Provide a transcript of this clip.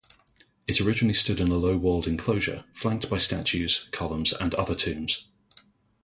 It originally stood in a low-walled enclosure, flanked by statues, columns and other tombs.